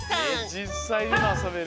じっさいにあそべる。